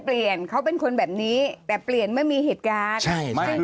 พลิกต๊อกเต็มเสนอหมดเลยพลิกต๊อกเต็มเสนอหมดเลย